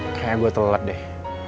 kayaknya gua telat deh